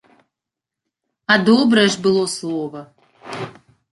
А добрае ж было слова.